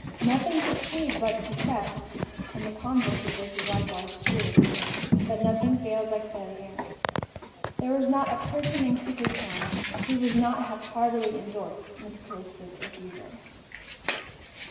Nothing succeeds like success, and the converse of this is likewise true that nothing fails like failure. There was not a person in Cooperstown who would not have heartily endorsed Miss Calista's refusal.